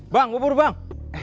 bang bubur bang